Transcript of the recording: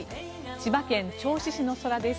千葉県銚子市の空です。